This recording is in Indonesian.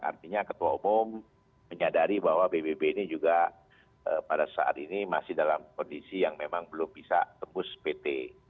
artinya ketua umum menyadari bahwa pbb ini juga pada saat ini masih dalam kondisi yang memang belum bisa tembus pt